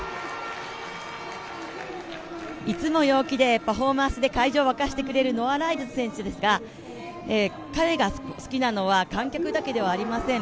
いつも陽気でパフォーマンスで会場を沸かせてくれるノア・ライルズ選手ですが、彼が好きなのは観客だけではありません。